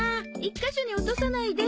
カ所に落とさないで。